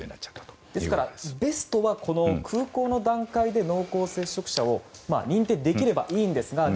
ベストは空港の段階で濃厚接触者を認定できればいいんですがで